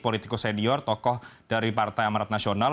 politikus senior tokoh dari partai amarat nasional